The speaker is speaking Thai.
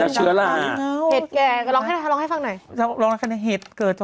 อย่าลืมนักเชื้อเหลว